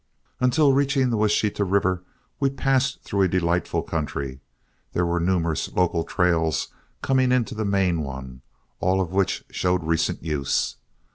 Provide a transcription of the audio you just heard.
Until reaching the Washita River, we passed through a delightful country. There were numerous local trails coming into the main one, all of which showed recent use.